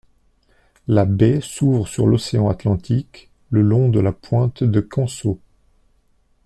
La baie s'ouvre sur l'océan Atlantique le long de la pointe de Canceau.